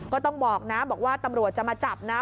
ก็ต้องบอกนะบอกว่าตำรวจจะมาจับนะ